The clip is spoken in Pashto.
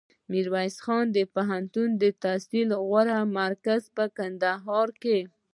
میرویس نیکه پوهنتون دتحصل غوره مرکز په کندهار کي